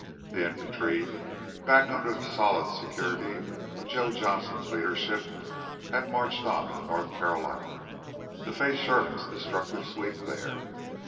The infantry, back under the solid security of Joe Johnston's leadership, had marched on into North Carolina to face Sherman's destructive sweep there.